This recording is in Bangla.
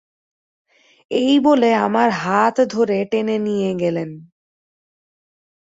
– এই বলে আমার হাত ধরে টেনে নিয়ে গেলেন।